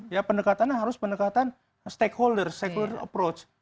ya pendekatannya harus pendekatan stakeholder stakeholder approach